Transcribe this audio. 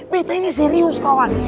betta ini serius kawan